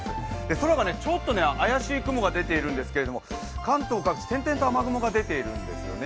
空がちょっと怪しい雲が出ているんですが関東各地、点々と雨雲が出ているんですよね。